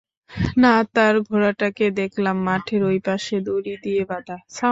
না তার ঘোড়াটাকে দেখলাম মাঠের ঐপাশে দড়ি দিয়ে বাঁধা।